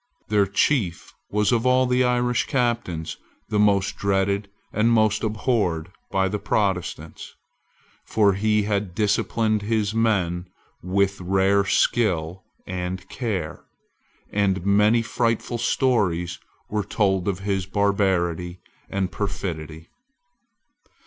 Their chief was of all the Irish captains the most dreaded and the most abhorred by the Protestants. For he had disciplined his men with rare skill and care; and many frightful stories were told of his barbarity and perfidy.